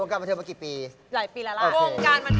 โรงการบรรเภิกัน